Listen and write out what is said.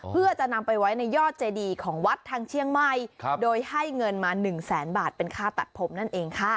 เพื่อจะนำไปไว้ในยอดเจดีของวัดทางเชียงใหม่โดยให้เงินมา๑แสนบาทเป็นค่าตัดผมนั่นเองค่ะ